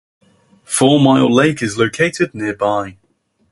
Four Mile Lake is located nearby.